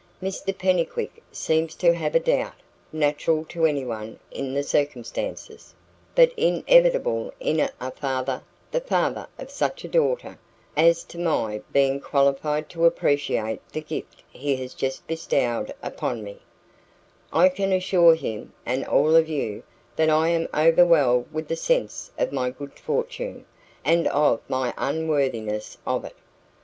Mr Pennycuick seems to have a doubt natural to anyone in the circumstances, but inevitable in a father the father of such a daughter as to my being qualified to appreciate the gift he has just bestowed upon me; I can assure him, and all of you, that I am overwhelmed with the sense of my good fortune, and of my unworthiness of it.